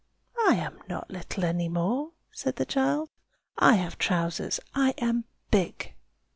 "I am not little any more!" said the child. "I have trousers; I am big."